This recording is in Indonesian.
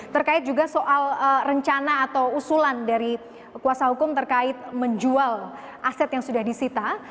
terkait juga soal rencana atau usulan dari kuasa hukum terkait menjual aset yang sudah disita